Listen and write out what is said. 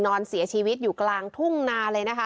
นอนเสียชีวิตอยู่กลางทุ่งนาเลยนะคะ